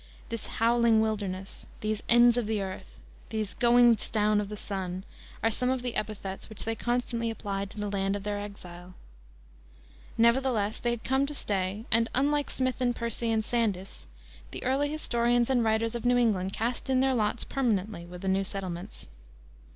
"This howling wilderness," "these ends of the earth," "these goings down of the sun," are some of the epithets which they constantly applied to the land of their exile. Nevertheless they had come to stay, and, unlike Smith and Percy and Sandys, the early historians and writers of New England cast in their lots permanently with the new settlements.